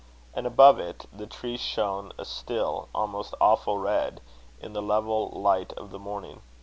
And above it, the tree shone a "still," almost "awful red," in the level light of the morning.